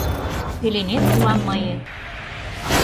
Пеленет улам мые.